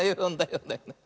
よんだよね？